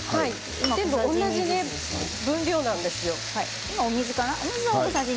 全部同じ分量なんですよ。